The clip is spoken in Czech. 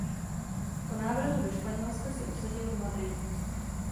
Po návratu do Španělska se usadil v Madridu.